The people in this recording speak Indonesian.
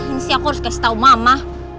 ini sih aku harus kasih tahu mama